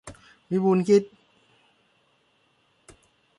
วิบูลย์กิจ